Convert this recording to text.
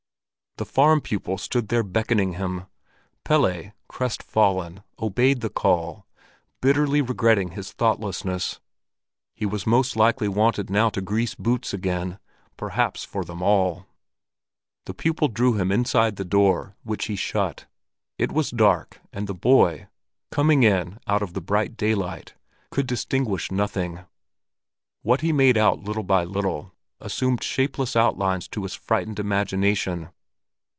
The farm pupil stood there beckoning him. Pelle, crestfallen, obeyed the call, bitterly regretting his thoughtlessness. He was most likely wanted now to grease boots again, perhaps for them all. The pupil drew him inside the door, which he shut. It was dark, and the boy, coming in out of the bright daylight, could distinguish nothing; what he made out little by little assumed shapeless outlines to his frightened imagination.